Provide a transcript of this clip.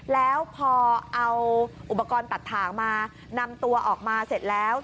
แล้วพอเอาอุปกรณ์ตัดถ่างมานำตัวออกมาเสร็จแล้ว